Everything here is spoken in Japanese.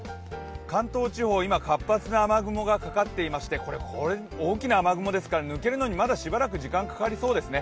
関東地方、今、活発な雨雲がかかっていまして大きな雨雲ですから、抜けるのにまだしばらく時間がかかりそうですね。